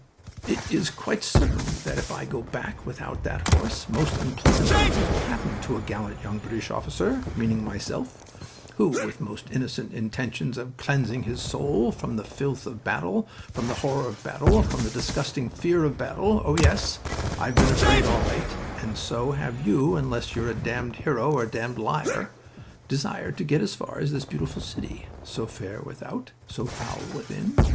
It is quite certain that if I go back without that horse most unpleasant things will happen to a gallant young British officer, meaning myself, who with most innocent intentions of cleansing his soul from the filth of battle, from the horror of battle, from the disgusting fear of battle oh yes, I've been afraid all right, and so have you unless you're a damned hero or a damned liar desired to get as far as this beautiful city (so fair without, so foul within!)